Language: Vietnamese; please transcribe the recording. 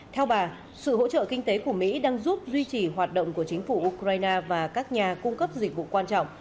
theo bà sự hỗ trợ kinh tế của mỹ đang giúp duy trì hoạt động của chính phủ ukraine và các nhà cung cấp dịch vụ quan trọng